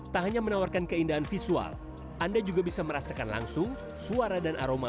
tak hanya menawarkan keindahan visual anda juga bisa merasakan langsung suara dan aroma